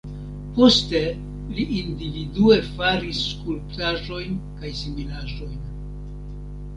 Poste li individue faris skulptaĵojn kaj similaĵojn.